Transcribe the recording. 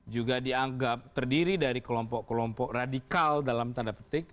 juga dianggap terdiri dari kelompok kelompok radikal dalam tanda petik